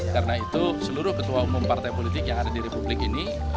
karena itu seluruh ketua umum partai politik yang ada di republik ini